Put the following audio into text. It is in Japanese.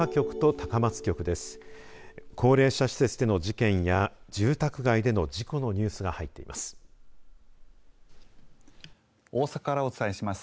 高齢者施設での事件や住宅街での事故のニュースが入っています。